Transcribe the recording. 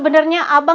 wah karena tajam saja